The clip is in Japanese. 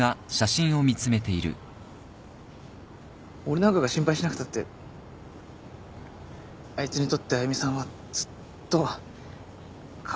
俺なんかが心配しなくたってあいつにとってあゆみさんはずっと変わらず家族だったんだ。